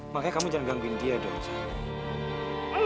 makanya kamu jangan gangguin dia dong saya